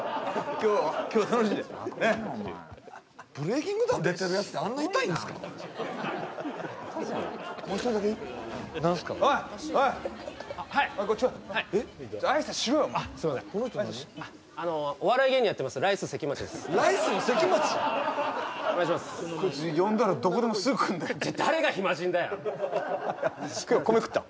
今日米食った？